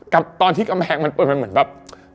ตอนที่กำแพงมันเปิดมันเหมือนแบบ